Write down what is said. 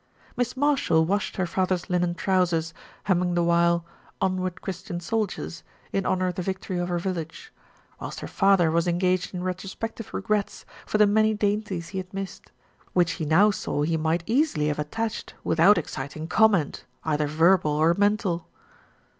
Miss Marshall washed her father's linen trousers, humming the while, "Onward, Christian Soldiers," in honour of the victory of her village; whilst her father was engaged in retrospective regrets for the many dainties he had missed, which he now saw he might easily have attached without exciting comment, either verbal or mental.